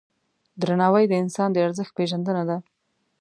درناوی د انسان د ارزښت پیژندنه ده.